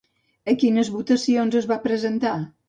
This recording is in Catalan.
A quines votacions es va presentar?